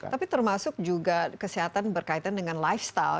tapi termasuk juga kesehatan berkaitan dengan lifestyle